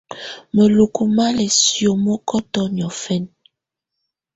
Mǝlukú má lɛ́ siomokotɔ niɔ̀fɛna.